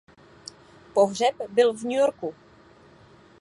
Pohřeb byl v New Yorku.